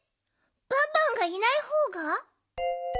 バンバンがいないほうが。